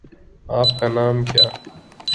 آپ کا نام کیا